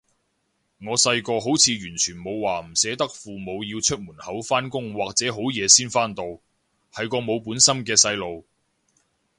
我細個好似完全冇話唔捨得父母要出門口返工或者好夜先返到，係個冇本心嘅細路